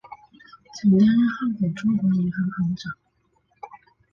曾担任汉口中国银行行长。